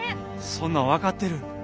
そんなん分かってる。